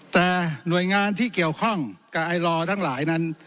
แต่หน่วยงานที่เกี่ยวข้องกับไอลอทั้งหลายนั้น